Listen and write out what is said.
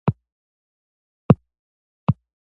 د ویښتو د تویدو لپاره کوم څاڅکي وکاروم؟